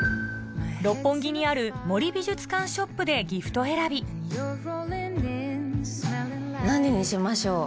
六本木にある森美術館ショップでギフト選び何にしましょう？